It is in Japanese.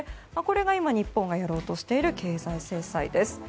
これが日本がやろうとしている経済制裁です。